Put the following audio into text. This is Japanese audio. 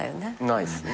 ないっすね。